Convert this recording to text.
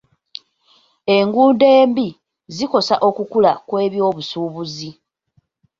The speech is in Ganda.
Enguudo embi zikosa okukula kw'ebyobusuubuzi.